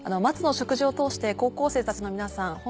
松の植樹を通して高校生たちの皆さん